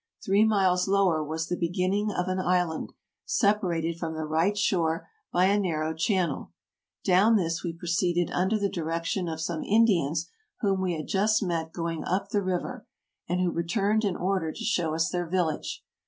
Three miles lower was the beginning of an island, separated from the right shore by a narrow channel; down this we pro ceeded under the direction of some Indians whom we had just met going up the river and who returned in order to show us their village.